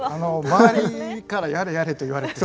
周りから「やれやれ」と言われて。